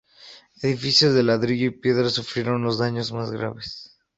Edificios de ladrillo y piedra sufrieron los daños más graves.